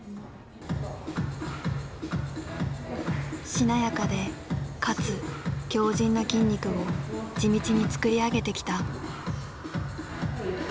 しなやかでかつ強じんな筋肉を地道に作り上げてきた。